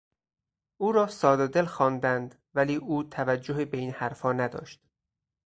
او را سادهدل خواندند ولی او توجهی به این حرفها نداشت.